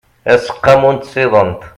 aseqqamu n tsiḍent